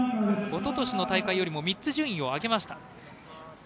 おととしの大会よりも３つ順位を上げました。